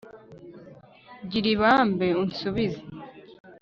gira ibambe, unsubize